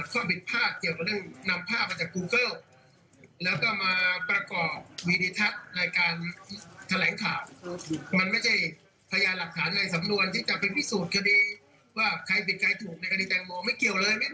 สิ่งเฉินข่าวได้เพราะมันเป็นความลับ